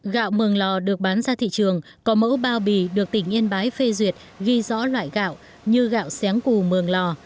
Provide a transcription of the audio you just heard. gạo mường lò được bán ra thị trường có mẫu bao bì được tỉnh yên bái phê duyệt ghi rõ loại gạo như gạo sáng củ mường lò